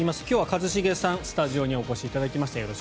今日は一茂さん、スタジオにお越しいただきました。